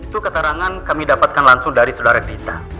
dan itu keterangan kami dapatkan langsung dari saudari gerita